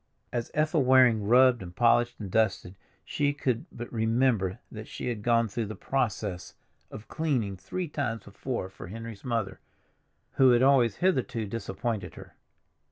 As Ethel Waring rubbed and polished and dusted she could but remember that she had gone through the process of cleaning three times before for Henry's mother, who had always hitherto disappointed her.